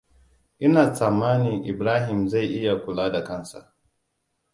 Ina tsammani Ibrahim zai kula da kansa.